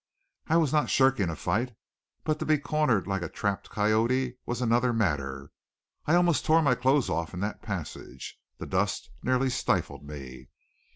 I was not shirking a fight, but to be cornered like a trapped coyote was another matter. I almost tore my clothes off in that passage. The dust nearly stifled me.